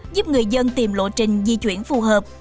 giúp người dân tìm lộ trình di chuyển phù hợp